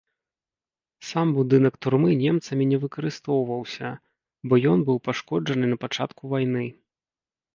Сам будынак турмы немцамі не выкарыстоўваўся, бо ён быў пашкоджаны напачатку вайны.